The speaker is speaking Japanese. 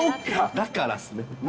だからですね。